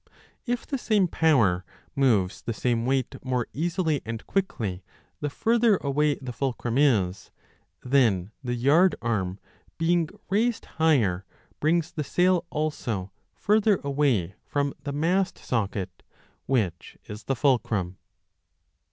If the same power moves the same weight more easily and quickly the further away the fulcrum is, then the yard arm, being raised higher, brings the sail also further away from the mast socket, which is the 5 fulcrum.